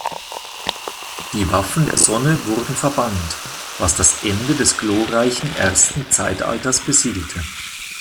Die Waffen der Sonne wurden verbannt, was das Ende des glorreichen ersten Zeitalters besiegelte.